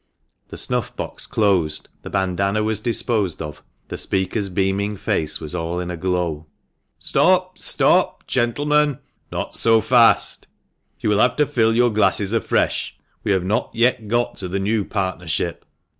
(The snuff box closed, the bandana was disposed of, the speaker's beaming face was all in a glow.) " Stop ! stop ! gentlemen ! not so fast, You will have to fill your glasses afresh. We have not yet got to the new partnership."